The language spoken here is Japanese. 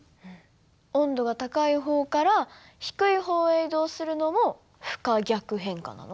温度が高い方から低い方へ移動するのも不可逆変化なの？